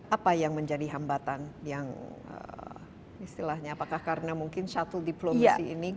apa yang menjadi hambatan yang istilahnya apakah karena mungkin shuttle diplomacy ini kurang efektif dari segi